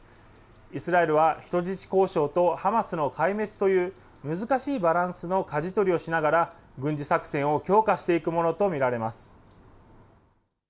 イスラエルは人質交渉とハマスの壊滅という、難しいバランスのかじ取りをしながら、軍事作戦を強化していくものと見られます。